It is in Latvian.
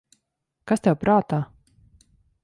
Kas tev prātā?